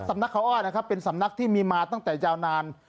นักเขาอ้อยนะครับเป็นสำนักที่มีมาตั้งแต่ยาวนาน